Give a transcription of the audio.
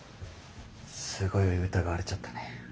すごい疑われちゃったね。